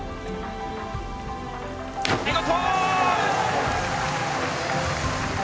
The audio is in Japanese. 見事！